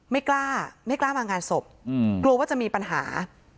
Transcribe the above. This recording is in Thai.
ไม่กล้าไม่กล้ามางานศพกลัวว่าจะมีปัญหา